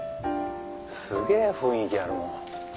すげぇ雰囲気あるもん。